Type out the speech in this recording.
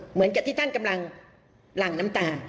เหมือนกับที่ท่านกำลังหลั่งน้ำตา